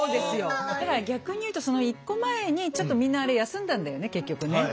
だから逆に言うとその一個前にちょっとみんなあれ休んだんだよね結局ね。